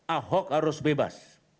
ahok harus bebas